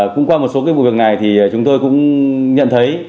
cũng qua một số vụ này thì chúng tôi cũng nhận thấy